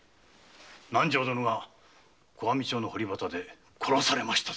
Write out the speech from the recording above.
南条殿が小網町の堀端で殺されましたぞ。